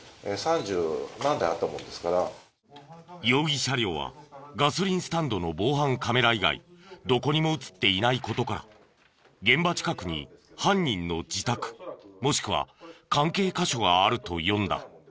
容疑車両はガソリンスタンドの防犯カメラ以外どこにも映っていない事から現場近くに犯人の自宅もしくは関係箇所があると読んだ。